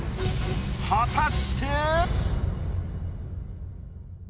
果たして？